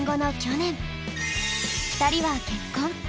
２人は結婚。